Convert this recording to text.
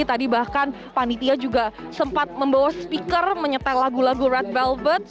tadi bahkan panitia juga sempat membawa speaker menyetel lagu lagu red velvet